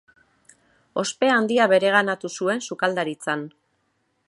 Ospe handia bereganatu zuen sukaldaritzan.